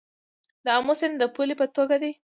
د امو سیند د پولې په توګه دی